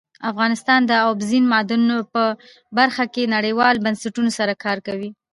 افغانستان د اوبزین معدنونه په برخه کې نړیوالو بنسټونو سره کار کوي.